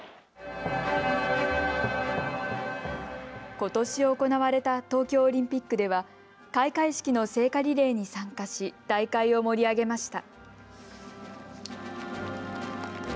ことし行われた東京オリンピックでは開会式の聖火リレーに参加し大会を盛り上げました。